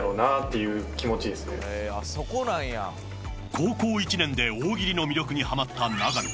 高校１年で大喜利の魅力にはまった永見。